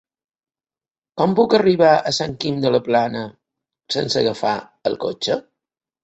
Com puc arribar a Sant Guim de la Plana sense agafar el cotxe?